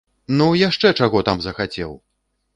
Ну, яшчэ чаго там захацеў!